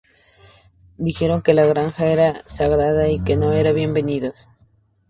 Dijeron que la granja era sagrada y que no eran bienvenidos.